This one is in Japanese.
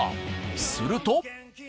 すると。